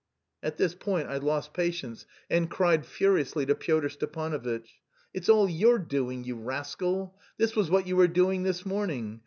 At this point I lost patience, and cried furiously to Pyotr Stepanovitch: "It's all your doing, you rascal! This was what you were doing this morning.